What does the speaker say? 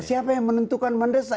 siapa yang menentukan mendesak